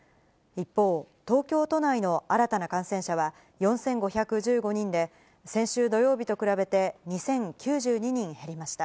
一方、東京都内の新たな感染者は４５１５人で、先週土曜日と比べて２０９２人減りました。